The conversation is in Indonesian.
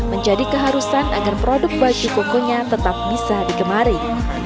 menjadi keharusan agar produk baju kokonya tetap bisa digemari